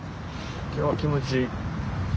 今日は気持ちいい。